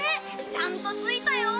ちゃんと着いたよ！